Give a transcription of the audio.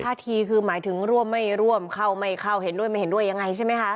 ท่าทีคือหมายถึงร่วมไม่ร่วมเข้าไม่เข้าเห็นด้วยไม่เห็นด้วยยังไงใช่ไหมคะ